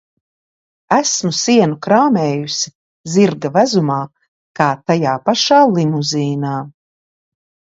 Esmu sienu krāmējusi zirga vezumā kā tajā pašā Limuzīnā.